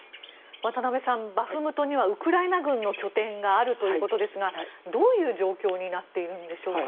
渡部さん、バフムトにはウクライナ軍の拠点があるということですがどういう状況になっているんでしょうか。